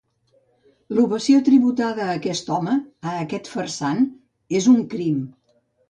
L’ovació tributada a aquest home, a aquest farsant, és un crim